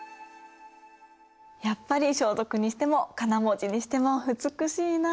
やっぱり装束にしてもかな文字にしても美しいな。